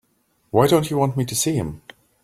Why don't you want me to see him?